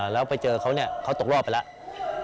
แล้วไปเจอเขาเนี่ยเขาตกรอบไปแล้ว